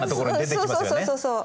そうそうそうそうそう。